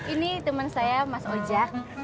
ini temen saya mas ojak